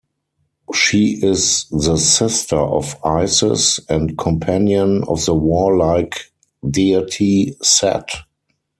She is the sister of Isis and companion of the war-like deity, Set.